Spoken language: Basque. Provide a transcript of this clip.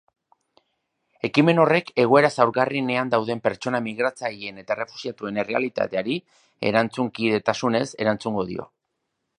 Ekimen horrek egoera zaurgarrienean dauden pertsona migratzaileen eta errefuxiatuen errealitateari erantzunkidetasunez erantzungo dio.